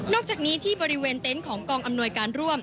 อกจากนี้ที่บริเวณเต็นต์ของกองอำนวยการร่วม